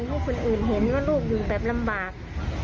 ลูกคนอื่นเห็นว่าลูกอยู่แบบลำบาก